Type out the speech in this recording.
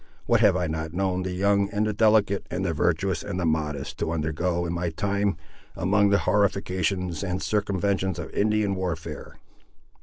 what have I not known the young, and the delicate, and the virtuous, and the modest, to undergo, in my time, among the horrifications and circumventions of Indian warfare!